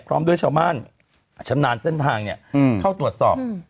พร้อมด้วยชาวบ้านชำนาญเส้นทางเนี่ยเข้าตรวจสอบ